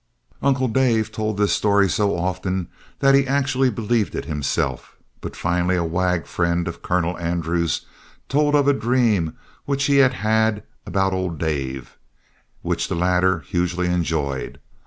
"Uncle Dave told this story so often that he actually believed it himself. But finally a wag friend of Colonel Andrews told of a dream which he had had about old Dave, which the latter hugely enjoyed.